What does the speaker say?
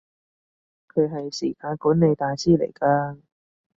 佢係時間管理大師嚟㗎